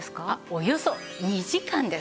およそ２時間です。